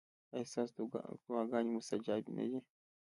ایا ستاسو دعاګانې مستجابې نه دي؟